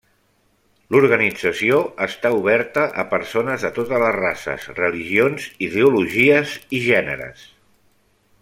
L'organització està oberta a persones de totes les races, religions, ideologies i gèneres.